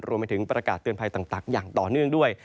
รวมไปถึงประกาศเตือนภัยต่างอย่างต่อเนื่องด้วย